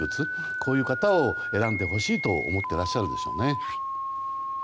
こういう方を選んでほしいと思っていらっしゃるでしょうね。